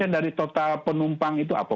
dari total penumpang itu apa